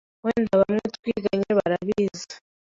wenda bamwe twiganye barabizi